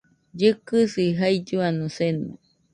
Llɨkɨsi jailluano seno